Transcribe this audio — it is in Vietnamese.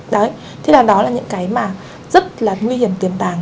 đấy thế là đó là những cái mà rất là nguy hiểm tiềm tàng